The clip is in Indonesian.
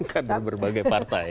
kader berbagai partai